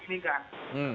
sudah enam bulan lalu